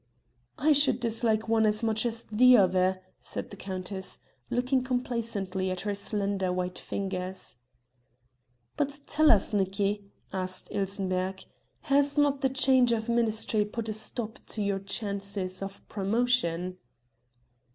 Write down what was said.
"I should dislike one as much as the other," said the countess, looking complacently at her slender white fingers. "But tell us, Nicki," asked Ilsenbergh, "has not the change of ministry put a stop to your chances of promotion?"